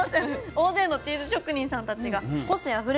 大勢のチーズ職人さんたちが個性あふれる